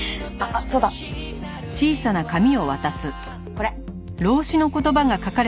これ。